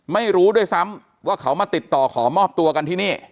ไม่รู้ด้วยซ้ำว่าเขามาติดต่อขอมอบตัวกันที่นี่